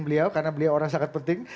beliau karena beliau orang sangat penting